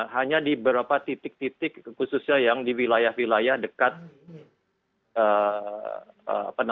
hanya di beberapa titik titik khususnya yang di wilayah wilayah dekat